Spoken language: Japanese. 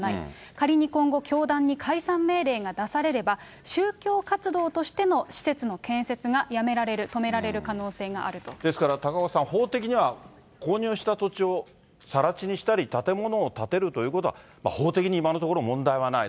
仮に今後、教団に解散命令が出されれば、宗教活動としての施設の建設がやめられる、ですから、高岡さん、法的には購入した土地をさら地にしたり、建物を建てるということは、法的には今のところ問題はない。